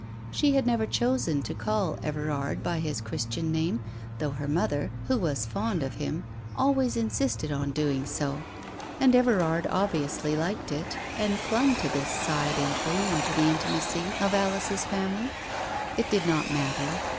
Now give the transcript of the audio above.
She had never chosen to call Everard by his Christian name, though her mother, who was fond of him, always insisted on doing so, and Everard obviously liked it, and clung to this side entry into the intimacy of Alice's family. It did not matter.